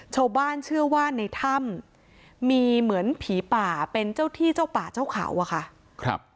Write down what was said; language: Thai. ชาวบ้านเชื่อว่าในถ้ำมีเหมือนผีป่าเป็นเจ้าที่เจ้าป่าเจ้าเขาอะค่ะครับ